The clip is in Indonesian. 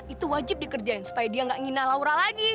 itu wajib dikerjain supaya dia nggak nginah laura lagi